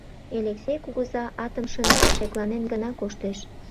Элексей кугыза атым шында, шекланен гына коштеш.